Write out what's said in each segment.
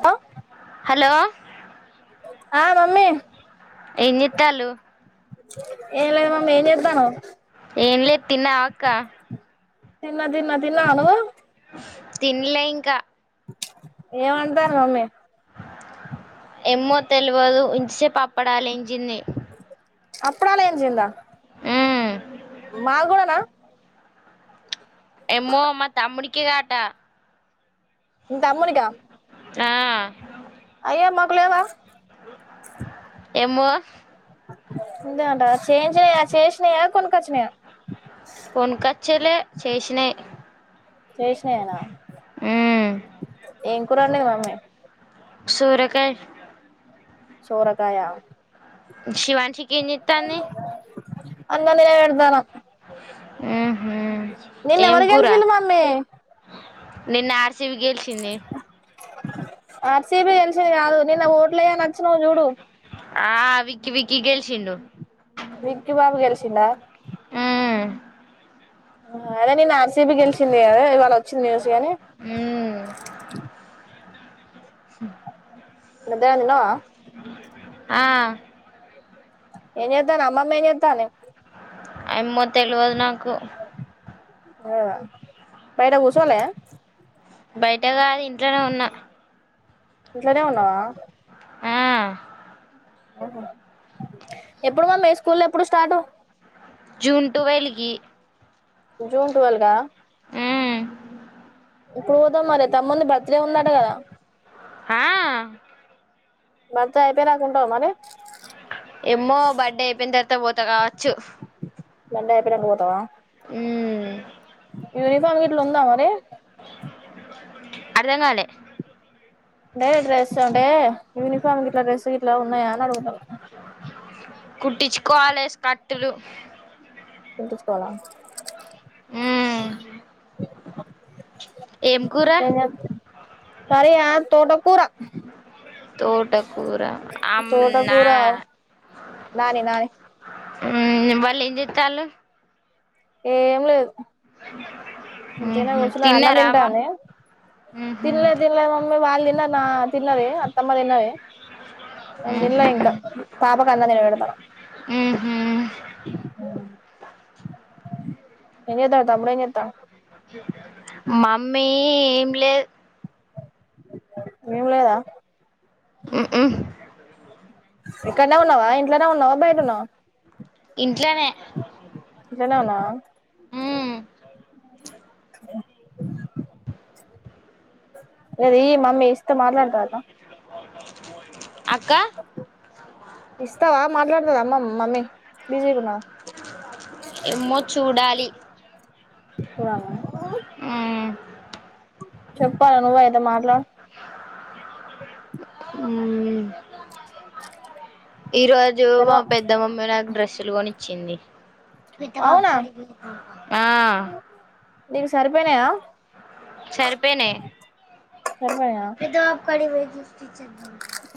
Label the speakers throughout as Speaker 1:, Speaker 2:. Speaker 1: Hello
Speaker 2: hello
Speaker 1: ఆ mummy
Speaker 2: ఏం జేత్తాళ్లు
Speaker 1: ఏం లేదు మమ్మీ ఏం చెత్తాండవ్
Speaker 2: ఏంన్లే తిన్నవా అక్క
Speaker 1: తిన్న తిన్న తిన్న నువ్వు
Speaker 2: తిన్లే ఇంకా
Speaker 1: ఏం అంటాంది మమ్మీ
Speaker 2: ఎమ్మో తెల్వదు ఇంతసేపు అప్పడాలేంచింది.
Speaker 1: అప్పుడాలు ఏంచిందా
Speaker 2: ఉమ్
Speaker 1: మాగూడనా
Speaker 2: ఎమ్మో మా తమ్ముడికి కటా
Speaker 1: తమ్మునికా
Speaker 2: ఆ
Speaker 1: అయ్యో మాకు లేవా?
Speaker 2: ఎమ్మో
Speaker 1: అంతే అంటవా చేం చేయ చేస్
Speaker 2: కొన్కొచ్చలే చేశినై
Speaker 1: చేసినై ఏనా
Speaker 2: మ్మ్
Speaker 1: ఏం కూర వండింది మమ్మీ
Speaker 2: సూరకాయి
Speaker 1: సోరకాయ
Speaker 2: అ శివాన్షీకి ఏం చేత్తాంది
Speaker 1: అన్నం తినవెడతాన
Speaker 2: ఉహు
Speaker 1: నిన్న
Speaker 2: ఏం
Speaker 1: ఎవరు
Speaker 2: కూర
Speaker 1: గెలిసిల్లు మామ్మీ
Speaker 2: నిన్న ఆర్ సీ బి గెలిచింది.
Speaker 1: ఆర్ సీ బి గెల్సింది కాదు నిన్న ఓట్లయయా నొచ్చినవ్ చూడు
Speaker 2: ఆ విక్కి విక్కి గెల్సిండు.
Speaker 1: విక్కి బాబు గెల్సిండా
Speaker 2: ఆ
Speaker 1: అదే నిన్న ఆర్సీబి గెలిశింది కదా ఇవాళ చున్నీ ఏసుకొని
Speaker 2: స
Speaker 1: మధ్యాహ్నం తిన్నవా.
Speaker 2: ఆ
Speaker 1: ఏం చెత్తనవ్ అమ్మమ్మా ఏం చెత్తంది.
Speaker 2: ఎమ్మో తెలువదు నా కు
Speaker 1: అ బైట గుసోలే
Speaker 2: బయట కాదు ఇంట్లోనే ఉన్నా
Speaker 1: ఇంట్లనేే ఉన్నావా.
Speaker 2: ఆ
Speaker 1: అహా ఎప్పుడు మమ్మీ స్కూల్లు ఎప్పుడు స్టార్టు.
Speaker 2: జూన్ ట్వెల్వ్కి
Speaker 1: జూన్ ట్వెల్వ్కా ఎప్పుడు పోదాం మరి తమ్ముంది బర్త్ డే ఉందాట కదా
Speaker 2: ఆ
Speaker 1: బర్త్డే అయిపోయేరాకుంటవ మరి
Speaker 2: పోతేపోత కావచ్చు
Speaker 1: రెండయి అయిపోయింనంకా పోతవా
Speaker 2: హ్మ్
Speaker 1: యూనిఫామ్ గిట్ల ఉందా మరి
Speaker 2: అర్ధంగాలే
Speaker 1: అంటే డ్రెస్ అంటే యూనిఫామ్ గిట్ల డ్రెస్ గిట్ల ఉన్నాయా అని అడు ఆ
Speaker 2: కుట్టించుకోవాలె స్కట్టులు
Speaker 1: కుట్టిచ్చుకోవాల
Speaker 2: ఉమ్ ఏం కూర
Speaker 1: కర్రీయా తోటకూరా
Speaker 2: తోటకూర అమ్నా
Speaker 1: తోటకూరా నానీ నాని
Speaker 2: హ్ వాళ్ళు ఏం చెత్తాల్లు.
Speaker 1: ఏ ఏం లేదు ఉత్తిగనే
Speaker 2: ఉహు
Speaker 1: కూర్చున్నది అన్నం
Speaker 2: తిన్నారా అవ్వ
Speaker 1: తింటాంది.
Speaker 2: ఉహు
Speaker 1: తినలే తినలే మమ్మీ వాళ్ళు తిన్నారు, వా తిన్నది అత్తమ్మ తిన్నది నేను తినలే
Speaker 2: ఉహు
Speaker 1: ఇంకా పాపకు అన్నం తినపెడతన్న.
Speaker 2: ఉహు
Speaker 1: ఏంజెతన్నవ్ తమ్ముడు ఏంచేత్తాండు.
Speaker 2: మమ్మీ ఏం లేదు
Speaker 1: ఏం లేదా
Speaker 2: ఉ ఉమ్
Speaker 1: ఇక్కడనే ఉన్నావా ఇంట్లోనే ఉన్నావా బయటున్నవా.
Speaker 2: ఇంట్లనే
Speaker 1: ఇంట్లనే ఉన్నవా
Speaker 2: ఆ
Speaker 1: గదీ మమ్మీ ఇస్ త్తే మాట్లాడతాదటనా
Speaker 2: అ
Speaker 1: ఇస్తావా మాట్లాడుతద అమ్మ మమ్మీ బిజీగ
Speaker 2: ఏమో చూడాలి
Speaker 1: పొదామ
Speaker 2: ఆ
Speaker 1: చెప్పాల నువ్వే ఏదో మాట్లా
Speaker 2: అం ఈ రోజు మా
Speaker 1: తెలవ
Speaker 2: పెద్ద మమ్మీ నాకు డ్రస్సులు కొని చ్చింది పెద్ద
Speaker 1: అవునా
Speaker 2: వాప్కడికి పోయింది ఆ
Speaker 1: నీవి సరిపోయినయా
Speaker 2: సరిపోయినయి
Speaker 1: సరిపోయినాయా
Speaker 2: ఏదొ కడి పోయి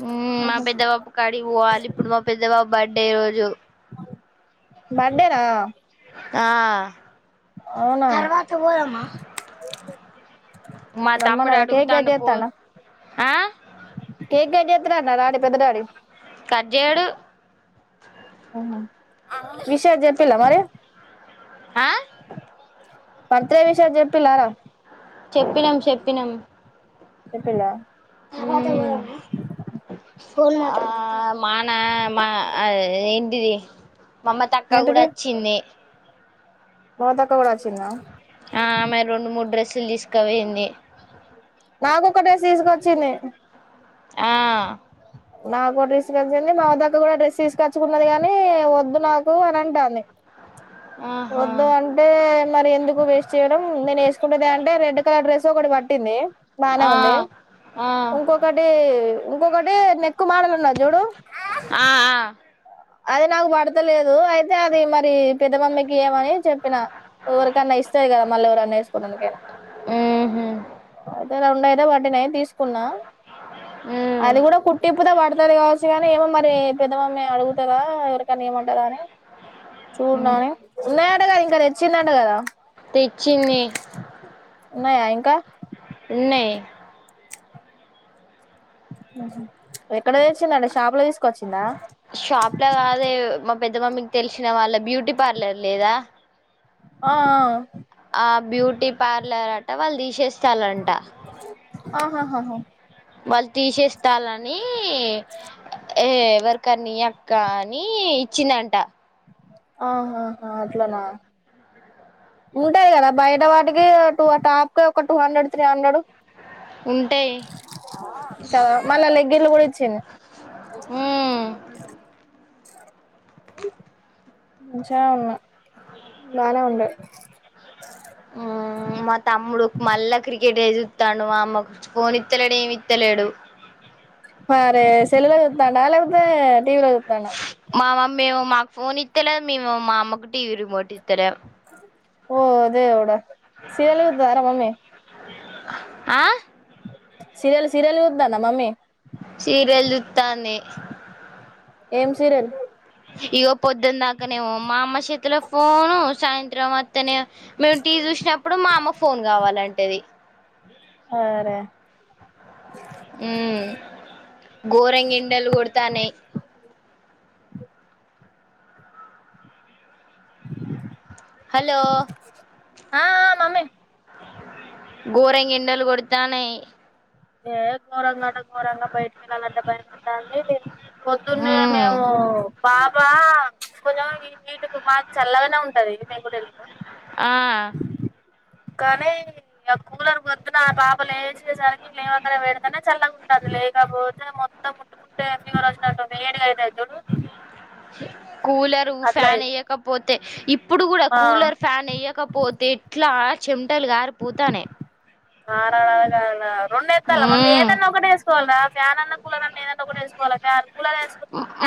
Speaker 2: హుం మా పెద్దబాబు కాడికి పోవాలి ఇప్పుడు మా పెద్దబాబ్ బర్త్డే రోజు
Speaker 1: బర్డేనా
Speaker 2: ఆ తర్వాత పోదామ మా తమ్ముడు
Speaker 1: రమ్మన్నారా కేక్ కట్
Speaker 2: అడుగుతాండు పో
Speaker 1: చేస్తాండా
Speaker 2: ఆ
Speaker 1: ఇక్ రారా రాడిబ్ పెదడాడి
Speaker 2: కడ్జేడు
Speaker 1: ఆహ ఆ విషెస్ చెప్పిల్ల మరి
Speaker 2: ఆ
Speaker 1: పత్రే విషెస్ చెప్పిల్లారా
Speaker 2: చెప్పినాం చెప్పినాం
Speaker 1: చెప్పిల్ల
Speaker 2: ఉ ఆ మాన మా ఇంటిది మమతక్క కూడ
Speaker 1: ఏంటిది
Speaker 2: వచ్చింది.
Speaker 1: మమతక్క కూడా వచ్చిందా
Speaker 2: ఆ మరి రొండు మూడు డ్రస్సులు తీసుకపోయింది.
Speaker 1: నాకొక డ్రెస్ తీసుకొచ్చింది.
Speaker 2: ఆ
Speaker 1: నాకు డ్రెస్సుకొచ్చింది మా వద్దక్క కూడ డ్రెస్ తీసుకచ్చుకున్నది గాని వద్దు నాకు అని అంటాంది
Speaker 2: ఆహా
Speaker 1: వద్దు అంటే మరి ఎందుకు వేస్ట్ చేయడం నేను వేసుకుండేదె అంటె రెడ్ కలర్ డ్రెస్ ఒకటి పట్టింది బానె
Speaker 2: ఆ
Speaker 1: ఉంది
Speaker 2: ఆ
Speaker 1: ఉంకొకటి ఉంకొకటి నెక్కు మలన్నా జోడు
Speaker 2: అ
Speaker 1: అది నాకు పడతలేదు అయితే అది మరి పెద్ద మమ్మకి ఏమని చెప్పిన ఎవరికన్నా ఇస్తే కదా మళ్ళీ ఎవరన్నా వేసుకోవడానికైనా
Speaker 2: ఉహు
Speaker 1: రెంయితే పట్టినయి తీసుకున్నా అది కూడా కుట్టు ఇప్పితే వాడుతు కావచ్చు కానీ ఏమో మరి పెద్దమమ్మ అడుగు వస్తుదా ఎవరికని ఏముంటదా అని చూడు
Speaker 2: ఉమ్
Speaker 1: నాే న కదా ఇంకా తెచ్చిందంట కదా
Speaker 2: తెచ్చింది
Speaker 1: ఉన్నాయా ఇంకా
Speaker 2: ఉన్నయ్
Speaker 1: ఎక్కడ తెచ్చిందట షాప్ లో తీసుక వచ్చిందా
Speaker 2: షాప్ లా కాదే మా పెద్ద మమ్మీకి తెలిసిన వాళ్ళ బ్యూటీ పార్లర్ లేదా
Speaker 1: ఆ
Speaker 2: బ్యూటీ పార్లర్ అట వాళ్ళు తీసేసి చాలడా
Speaker 1: ఆహాహాహా
Speaker 2: వాళ్ళు తీసేస్తాలని ఎవరి అక్క నీ అక్క అని ఇచ్చిందంట
Speaker 1: ఆహాహా అట్లనా ఉంటాయి కదా బయట వాటికి టూ టాప్ క ఒక టూ హండ్రెడ్ త్రీ హండ్రెడ్
Speaker 2: ఉంటాయి
Speaker 1: మన లెగ్గిన్ కూడా ఈచింద్
Speaker 2: ఉమ్
Speaker 1: ంచి ఉవున్నా బానే ఉండ
Speaker 2: ఉమ్ ఇతాను మా అమ్మకు ఫోన్ ఇత్తలేడు ఏమి ఇత్తలేడు
Speaker 1: అరే సెల్ లో చూస్తాడా లేలాపోతే టీవలోచుటండ
Speaker 2: మా మమ్మీ ఏమో మాకు ఫోన్ ఇస్తలే మేము మా అమ్మకు టీవీ రిమోట్ ఇస్తలే
Speaker 1: ఓ దేవుడా సలుగుద్ అర మమ్మీ
Speaker 2: ఆ
Speaker 1: సీరియల్ సీరియల్ చూస్తుందా మమ్మీ
Speaker 2: సీరిల్ చూస్తుండి
Speaker 1: ఏం సీరియల్
Speaker 2: ఇగ పొద్దున దాకానే మా అమ్మ చేతిలో ఫోను సాయంత్రం అత్తనే మేము టీవీ చూసినప్పుడు మా అమ్మ ఫోన్ కావాలంటేది
Speaker 1: ఆరే
Speaker 2: ఉ గోరంగా ఎండలు కొడతానయి హలో
Speaker 1: ఆ ఆ మమ్మీ
Speaker 2: గోరంగా ఎండలు కొడతానయి
Speaker 1: ఏ ఘోరంగా అంటే ఘోరంగా బయటికి వెళ్ళాలంటే భయమైతాంది పొద్దున్నే
Speaker 2: మ్మ్
Speaker 1: మేము బాబా కొంచెం ఈ వీటు మాకు చల్లగానే ఉంటది పెంకుటిల్లు
Speaker 2: ఆ
Speaker 1: కనీ ఇగ కూలర్ మొత్త పొద్దున పాపలేసి సరికి ఇవి లేవగానే పెడితేనే చల్లగా ఉంది కాపోతే మొత్తము అదే ఫీవర్ వచ్చినట్టు వేడిగా అయితే చూడు
Speaker 2: దరు
Speaker 1: అట్లా
Speaker 2: ఫ్యాన్ ఏయ్యకపోతే తే ఇప్పు ఇప్పుడు కూడా
Speaker 1: ఆ
Speaker 2: కూలర్ ఫ్యాన్ ఏయ్యకపోతే ఇట్లా చెెం టల్ కారిపోతానై
Speaker 1: కారణకణ రెండుఎత్తాల మమ్మీ
Speaker 2: మ్మ్
Speaker 1: ఏదన్నా ఒకటే వేసుకోవాలిరా ఫ్యాన్ అన్నా కూలర్ అన్నా ఏదన్నా ఒకటి వేసుకోవాలా ఫ్యాన్ కూలర్ వే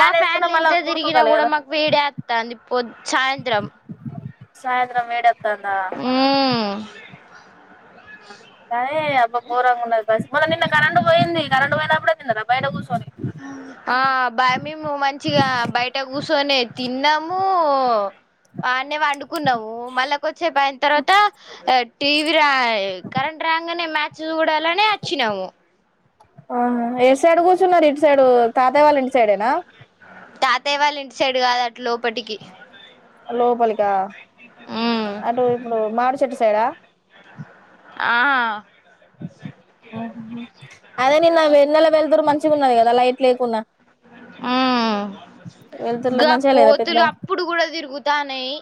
Speaker 2: మా
Speaker 1: వేసుకుంటే
Speaker 2: ఫ్యాన్లు
Speaker 1: మళ్ళా
Speaker 2: ఎంత
Speaker 1: ఉడుకు
Speaker 2: తిరిగినా కూడా
Speaker 1: తలగదా
Speaker 2: మాకు వేడేత్తాంది పొద్ సాయంత్రం
Speaker 1: సాయంత్రం వేడ తందా
Speaker 2: మ్మ్
Speaker 1: ఆ తాయే అబ్బా గోరంగా ఉన్నది పసి మల్ల నిన్న కరెంటు పోయింది కరెంటు పోయినప్పుడే కదా బయట కూసు
Speaker 2: ఆ బామేము మంచిగా బయట కుసోనే తిన్నాము ఆమె పడుకున్నావు మళ్ళ కొద్దిసేపు అయిన తర్వాత టీవీ రా కరెంట్ రాగానే మ్యాచ్ చూడాలనే ఆచ్చినాము
Speaker 1: ఆ ఏ సైడ్ కూర్చున్నారు ఇటు సైడు తాతయ్య వాళ్ళ ఇంటి సైడేనా
Speaker 2: తాతయ్య వాళ్ళ ఇంటి సైడు కాదు అట్ లోపటికి
Speaker 1: లోపలికా
Speaker 2: మ్మ్
Speaker 1: అటు ఇప్పుడు మాడిచెట్టు సైడా
Speaker 2: ఆ
Speaker 1: అదే నిన్న వెన్నెల వెలుతురు మంచిగా ఉన్నది కదా లైట్ లేకున్నా
Speaker 2: మ్మ్
Speaker 1: వెళ్తురులో
Speaker 2: గా
Speaker 1: మంచిగా లేదా పెద్ద
Speaker 2: కోతులు అప్పుడు కూడా తిరుగుతాన్నాయి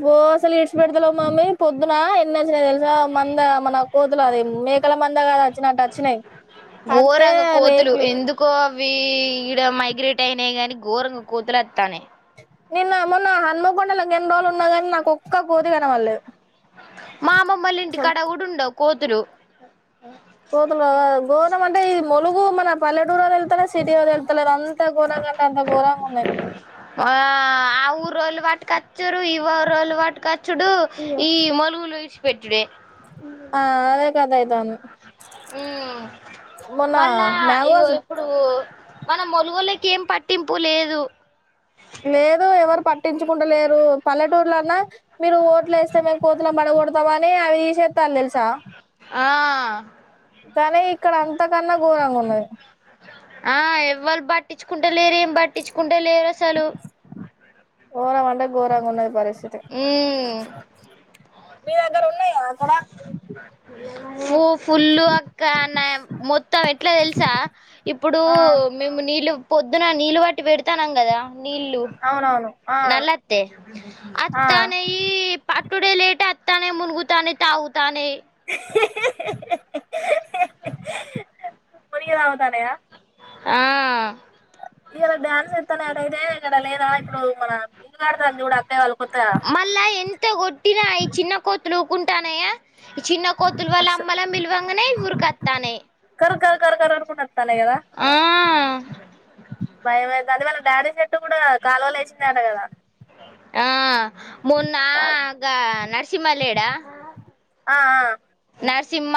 Speaker 1: పో అసలు ఇడ్చిపెడతలేవ్ మమ్మీ పొద్దున కిన తెలుసా మంద మన కోతు అదేం మేకల మందా గద అచ్చినటు అచ్చినయి. అంతే రేకులెక్
Speaker 2: అవీ ఈడ మైగ్రేట్ అయినయి గాని ఘోరంగ కోతులు వత్తానయి.
Speaker 1: నిన్న మొన్న హనుమకొండల ఎన్ రోజులు ఉన్నా గానీ నాకు ఒక్క కోతి కనపడలేదు
Speaker 2: మా అమ్మమోళ్ళ
Speaker 1: అసలు
Speaker 2: ఇంటికాడ కూడ్ ఉండవ్ కూతురు
Speaker 1: కోతులు గద ఘోరం అంటే ఈ మో నువ్వూ మన పల్లటూరో తెల్దలేద్ స్ సిటో తెల్దలేద్ అంత గోరంగా అంటే అంత గోరంగ ఉం నయ్
Speaker 2: ఆ ఆ ఊరోళ్ళు పటుకచ్చురు ఈ ఊరోళ్ళు పట్టుకచ్చుడు ఈ మొలుగులు ఇడిశిపెట్టుడే.
Speaker 1: ఆ అదే కథ ఐతాంది.
Speaker 2: ఊ మళ్ళా ఇగో
Speaker 1: మ్యాంగోస్
Speaker 2: ఇప్పుడూ మన మొలుగులకి ఏం పట్టింపు లేదు.
Speaker 1: లేదు ఎవరు పట్టించుకుంటలేరూ. పల్లెటూరులల్ల మీరు ఓట్లు వేస్తే మేము కోతులను పడగొడతమనీ అవి తీశేత్ తాన్లు తెలుసా.
Speaker 2: ఆ
Speaker 1: కానీ ఇక్కడన్ అంత కన్నా ఘోరంగున్నది.
Speaker 2: ఆ ఎవ్వల్ పట్టిచ్చుకుం కుంట లేర్ ఏం పట్టించుకుంట లేరు అస్సలూ
Speaker 1: గోరం అంటే గోరంగ ఉన్నది పరిస్
Speaker 2: ఉమ్
Speaker 1: మీ దగ్గర ఉన్నాయా అక్కడ
Speaker 2: ఫు ఫుల్లు అక్కా నయం మొత్తం ఎట్ల తెల్సా ఇప్పుడూ
Speaker 1: ఆ
Speaker 2: మేము నీళ్ళు పొద్దున నీళ్లు పట్టి పెడతానం గదా నీళ్ళు
Speaker 1: అవునవును ఆ
Speaker 2: నల్లోత్తే
Speaker 1: ఆ
Speaker 2: అత్తానై ఈ పట్టుడే లేట్ అత్తానై మునుగుతానై తాగుతానై
Speaker 1: హి హి మునిగి తాగుతానైయా
Speaker 2: ఆ
Speaker 1: ఈ రోజ్ డ్యాన్స్ ఎత్తానై అట ఇదే కథ లేరా ఇప్పుడు మన ఇల్లు కడతాను చూడు అక్కయ్య వాళ్ళు కొత్తగా
Speaker 2: మళ్ళా ఎంత కొట్టినా ఈ చిన్న కోతులు. ఉంటానయా ఈ చిన్న కోతులు వాళ్ళ
Speaker 1: మస్తు
Speaker 2: అమ్మలన్ పిల్వంగనే ఉరుక్ కత్తానై
Speaker 1: కర్ కర్ కర్ అన్ కుంటు వత్తానై గదా
Speaker 2: ఆ
Speaker 1: భయ్యమై [unintelligible] వాళ్ళ డాడీ షర్ట్ కూడా కాలువల ఏశింది అట కదా.
Speaker 2: ఆ మొన్నా
Speaker 1: ఆ
Speaker 2: ఆగా నర్సింహ లేడా
Speaker 1: ఆ
Speaker 2: నరసింహ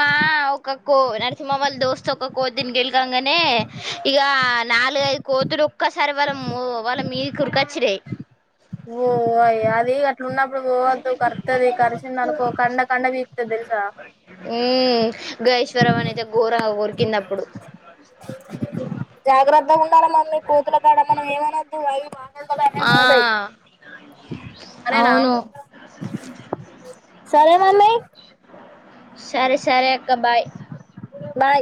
Speaker 2: ఒక్కక్క నరసింహ వాళ్ళ దోస్తు ఒక్క కోతిని గెలకంగానే ఇక నాలుగైదు కోతులు ఒక్కసారి వాళ్ళ వాళ్ళ మీది కురికొచ్చినయి
Speaker 1: ఓ అయ్య అది ఇ ఉన్నప్పుడు పోవద్దు కరుత్తది కరిసింది అనుకో కండ కండ పీకుతది తెలుసా
Speaker 2: మ్మ్. గా ఈశ్వరమని అయితే ఘోరంగా కొరికింది అప్పుడు
Speaker 1: జాగ్రత్త ాల మమ్ీ కోతులు కాడ మనం ఏమనద్దు వై [inaudible]
Speaker 2: ఆ
Speaker 1: మదయి [unintelligible]
Speaker 2: అవును
Speaker 1: సరే మమ్మి
Speaker 2: సరే సరే అక్క బై
Speaker 1: బాయ్